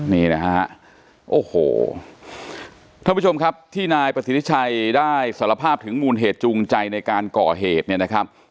นี่นะฮะโอ้โหท่านผู้ชมครับที่นายประสิทธิชัยได้สารภาพถึงมูลเหตุจูงใจในการก่อเหตุเนี่ยนะครับ